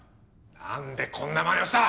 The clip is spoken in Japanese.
なんでこんなまねをした！？